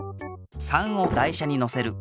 ３を台車にのせる。